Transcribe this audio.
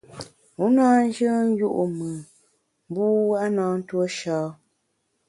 U na nyùen yu’ mùn mbu (w) a na ntuo sha.